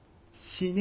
死ね！